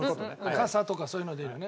傘とかそういうのでいいのね。